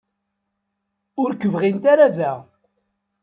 Ur k-bɣint ara da.